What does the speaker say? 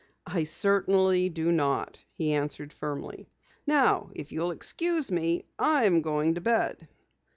"I certainly do not," he answered firmly. "Now if you'll excuse me, I'm going to bed."